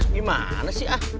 gimana sih ah